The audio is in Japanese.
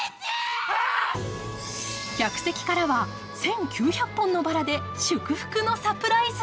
客席からは１９００本のバラで祝福のサプライズ。